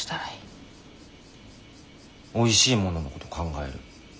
おいしいもののこと考える。